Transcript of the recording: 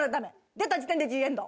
出た時点でジ・エンド。